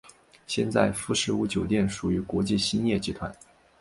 现在富士屋酒店属于国际兴业集团。